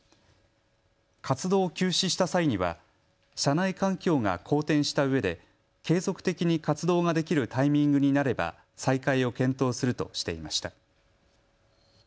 活動を休止した際には社内環境が好転したうえで継続的に活動ができるタイミングになれば再開を検討するとしていました。